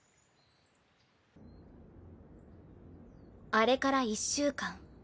あれから１週間。